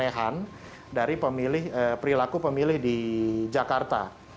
adanya keanehan dari pemilih perilaku pemilih di jakarta